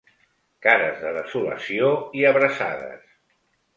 Cares de desolació i abraçades.